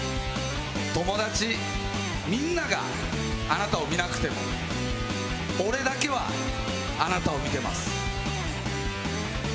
友達みんながあなたを見なくても俺だけはあなたを見てます。